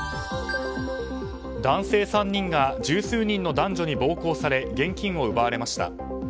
男性３人が十数人の男女に暴行され現金を奪われました。